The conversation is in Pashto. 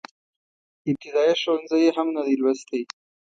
ابتدائيه ښوونځی يې هم نه دی لوستی.